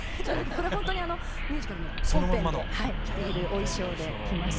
これほんとにミュージカルの本編で着ているお衣装で来ました。